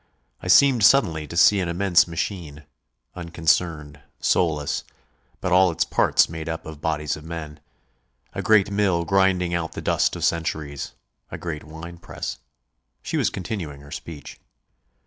I seemed suddenly to see an immense machine unconcerned, soulless, but all its parts made up of bodies of men: a great mill grinding out the dust of centuries; a great wine press. She was continuing her speech.